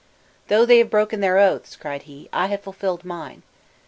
"Though they have broken their oaths," cried he, "I have fulfilled mine!